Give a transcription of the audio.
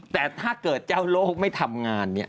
แต่ถ้าเกิดเจ้าโลกไม่ทำงานเนี่ย